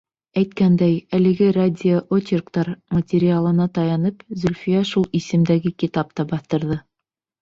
Әйткәндәй, әлеге радиоочерктар материалына таянып, Зөлфиә шул исемдәге китап та баҫтырҙы.